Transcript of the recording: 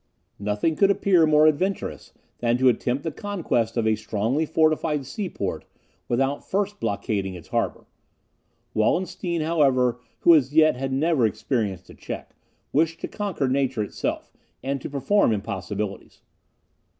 Nothing could appear more adventurous than to attempt the conquest of a strongly fortified seaport without first blockading its harbour. Wallenstein, however, who as yet had never experienced a check, wished to conquer nature itself, and to perform impossibilities.